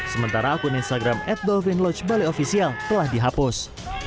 sementara akun instagram at the wind lodge bali ofisial telah dihapus